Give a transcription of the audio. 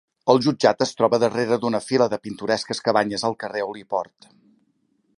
El jutjat es troba darrere d'una fila de pintoresques cabanyes al carrer Holyport.